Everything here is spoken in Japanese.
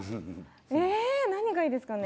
何がいいですかね？